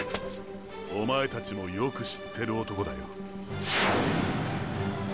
おまえたちもよく知ってる男だよ。